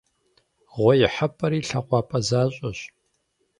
Гъуэ ихьэпӀэри лъакъуапӀэ защӀэщ.